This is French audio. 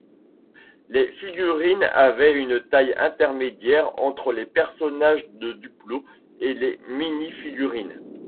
Les figurines avaient une taille intermédiaire entre les personnages de Duplo et les minifigurines.